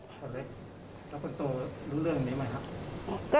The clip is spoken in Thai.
แล้วคนโตรู้เรื่องอย่างนี้ไหมครับ